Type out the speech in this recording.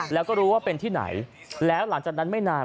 แล้วก็รู้ว่าเป็นที่ไหนแล้วหลังจากนั้นไม่นาน